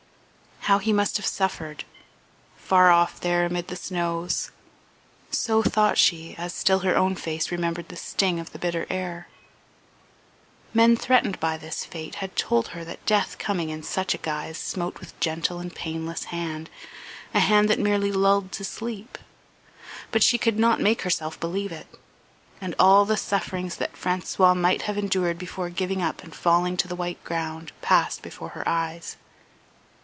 How he must have suffered, far off there amid the snows! So thought she, as still her own face remembered the sting of the bitter air. Men threatened by this fate had told her that death coming in such a guise smote with gentle and painless hand a hand that merely lulled to sleep; but she could not make herself believe it, and all the sufferings that François, might have endured before giving up and falling to the white ground passed before her eyes.